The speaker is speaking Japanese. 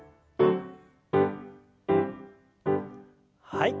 はい。